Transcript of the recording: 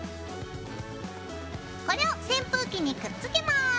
これを扇風機にくっつけます。